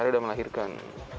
hari udah melahirkan